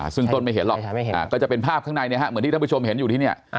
ซึ่งต้นไม่เห็นหรอกก็จะเป็นภาพข้างในเหมือนที่ท่านผู้ชมเห็นอยู่ที่เนี่ย